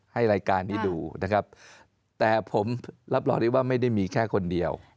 ให้รายการนี้ดูนะครับแต่ผมรับรองได้ว่าไม่ได้มีแค่คนเดียว